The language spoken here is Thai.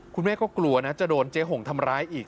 คุณแม่ก็กลัวนะจะโดนเจ๊หงทำร้ายอีก